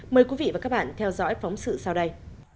mời quý vị và các bạn theo dõi phóng sự sau đây